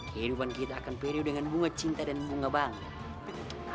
kehidupan kita akan periu dengan bunga cinta dan bunga bangga